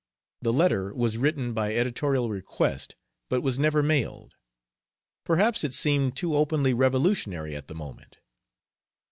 The letter was written by editorial request, but was never mailed. Perhaps it seemed too openly revolutionary at the moment.